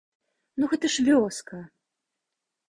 Ну гэта ж вёска!